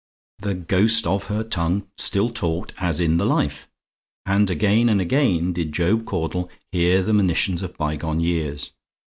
The Ghost of her Tongue still talked as in the life; and again and again did Job Caudle hear the monitions of bygone years.